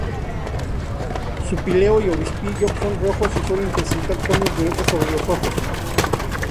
Su píleo y obispillo son rojos y suelen presentar tonos violetas sobre los ojos.